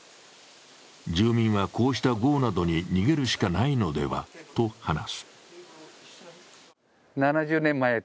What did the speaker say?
住民はこうした壕などに逃げるしかないのではと話す。